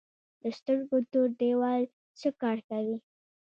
د سترګو تور دیوال څه کار کوي؟